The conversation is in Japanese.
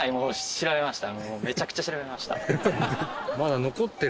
調べました。